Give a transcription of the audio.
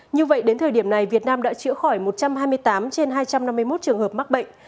như vậy đến thời điểm này việt nam đã chữa khỏi một trăm hai mươi tám trên hai trăm năm mươi một trường hợp mắc bệnh